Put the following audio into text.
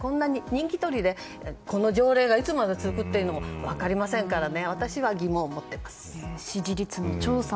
人気取りでこの条例がいつまで続くかも分かりませんからね。